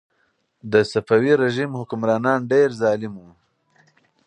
د صفوي رژیم حکمرانان ډېر ظالم وو.